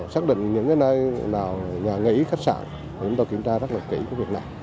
xác định những nơi nào nhà nghỉ khách sạn chúng ta kiểm tra rất là kỹ cái việc này